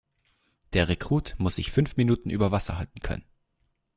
Der Rekrut muss sich fünf Minuten über Wasser halten können.